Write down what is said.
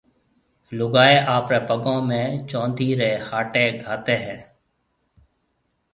لوگائيَ آپريَ پگون ۾ چوندِي ريَ ھاٽَي گھاتيَ ھيَََ